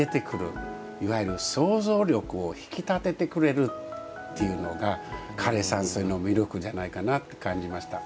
いわゆる想像力を引き立ててくれるっていうのが枯山水の魅力じゃないかなって感じました。